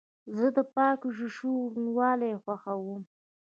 زه د پاکو شیشو روڼوالی خوښوم.